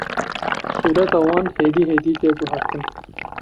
sûreta wan hêdî hêdî tê guhertin